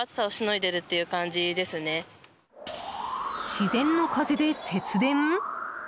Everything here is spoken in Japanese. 自然の風で節電？